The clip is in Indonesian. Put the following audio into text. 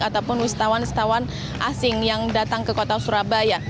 ataupun wisatawan wisatawan asing yang datang ke kota surabaya